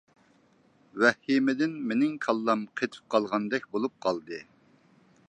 ۋەھىمىدىن مېنىڭ كاللام قېتىپ قالغاندەك بولۇپ قالدى.